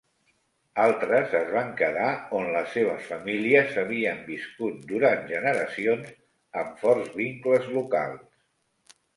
Altres es van quedar on les seves famílies havien viscut durant generacions, amb forts vincles locals.